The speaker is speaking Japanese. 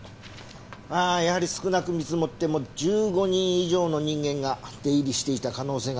まあやはり少なく見積もっても１５人以上の人間が出入りしていた可能性が高いはずなんだけども。